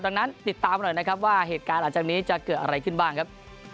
ดังนั้นติดตามหน่อยนะครับว่าเหตุการณ์หลังจากนี้จะเกิดอะไรขึ้นบ้างครับ